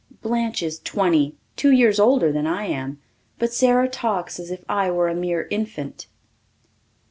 Blanche is twenty two years older than I am. But Sara talks as if I were a mere infant.